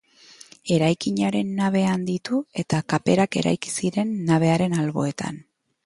Eraikinaren nabea handitu eta kaperak eraiki ziren nabearen alboetan.